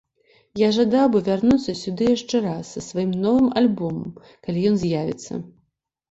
Я жадаў бы вярнуцца сюды яшчэ раз са сваім новым альбомам, калі ён з'явіцца.